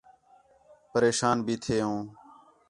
پریشان بھی تھے ہوں